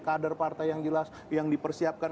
kader partai yang jelas yang dipersiapkan